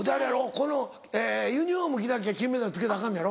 このユニホーム着なきゃ金メダルつけたらアカンのやろ？